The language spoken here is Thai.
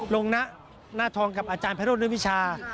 ลงนะณทองกับอาจารย์พระโรธเรื่องวิชา